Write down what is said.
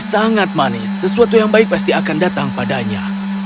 sangat manis sesuatu yang baik pasti akan datang padanya